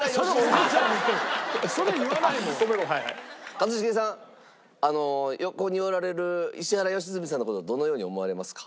一茂さん横におられる石原良純さんの事どのように思われますか？